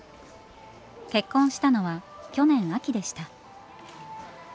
結婚したのは去年秋でした。